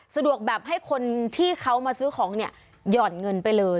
สะดวกแบบให้คนที่เขามาซื้อของเนี่ยหย่อนเงินไปเลย